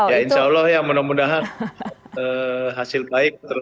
ya insya allah ya mudah mudahan hasil baik terus